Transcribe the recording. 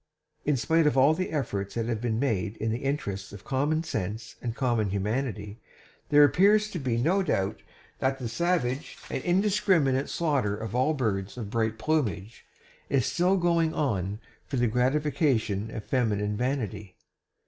In spite of all the efforts that have been made in the interests of common sense and common humanity, there appears to be no doubt that the savage and indiscriminate slaughter of all birds of bright plumage is still going on for the gratification of feminine vanity.